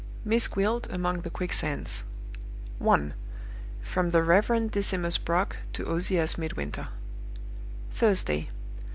XI. MISS GWILT AMONG THE QUICKSANDS. 1. From the Rev. Decimus Brock to Ozias Midwinter. "Thursday.